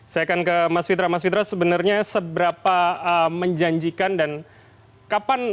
saya akan ke mas fitra mas fitra sebenarnya seberapa menjanjikan dan kapan